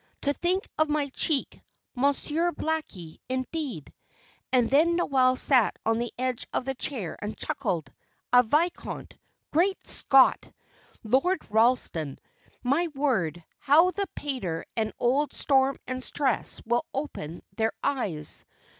"To think of my cheek Monsieur Blackie, indeed!" And then Noel sat on the edge of the chair and chuckled. "A viscount! Great Scott! Lord Ralston! My word, how the pater and old Storm and Stress will open their eyes!